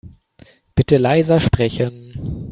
Bitte leiser sprechen.